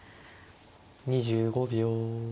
２５秒。